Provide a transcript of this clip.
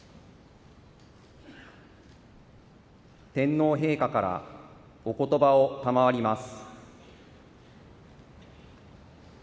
天皇陛下からおことばを賜ります。